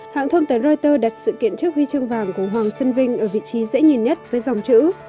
hãng thông tấn reuters đặt sự kiện trước huy chương vàng của hoàng xuân vinh ở vị trí dễ nhìn nhất với dòng chữ